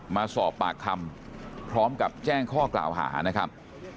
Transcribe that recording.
มาสอบปากคำพร้อมกับแจ้งข้อกล่าวหานะครับ